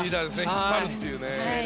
引っ張るというね。